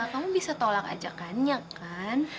kamu bisa tolak ajakannya kan